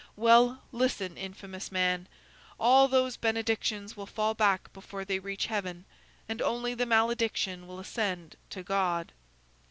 Well! listen, infamous man! All those benedictions will fall back before they reach heaven, and only the malediction will ascend to God."